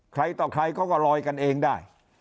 ใครต่อใครเขาก็ลอยกันเองได้